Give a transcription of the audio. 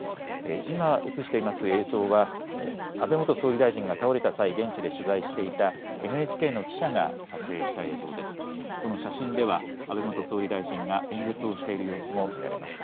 今、映しています映像は安倍元総理大臣が倒れた際、現地で取材していたＮＨＫの記者が撮影した映像です。